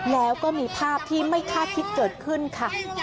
แล้วก็มีภาพที่ไม่คาดคิดเกิดขึ้นค่ะ